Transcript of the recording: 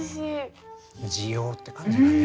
滋養って感じがね。